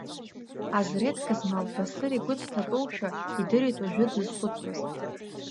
Азреҭ гызмал, Басыр игәы дҭатәоушәа идырит уажәы дзызхәыцуаз.